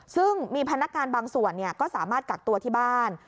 ซึ่งมีพนักงานบางส่วนก็สามารถกักตัวที่บ้าน